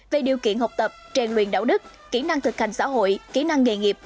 về điều kiện học tập trang luyện đạo đức kỹ năng thực hành xã hội kỹ năng nghề nghiệp